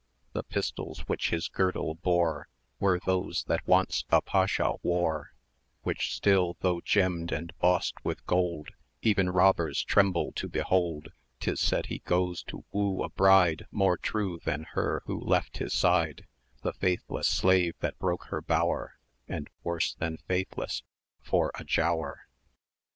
The pistols which his girdle bore Were those that once a Pasha wore, 530 Which still, though gemmed and bossed with gold, Even robbers tremble to behold. 'Tis said he goes to woo a bride More true than her who left his side; The faithless slave that broke her bower, And worse than faithless for a Giaour!